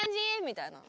みたいな。